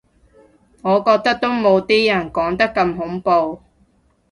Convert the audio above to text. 覺得都冇啲人講得咁恐怖